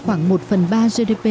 khoảng một phần ba gdp